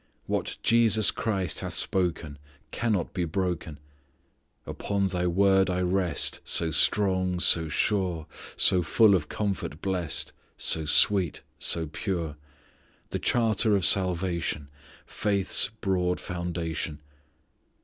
What Jesus Christ hath spoken, Cannot be broken! "Upon Thy Word I rest; So strong, so sure, So full of comfort blest, So sweet, so pure: The charter of salvation: Faith's broad foundation.